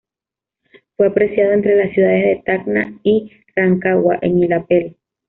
Fue apreciado entre las ciudades de Tacna y Rancagua, en Illapel.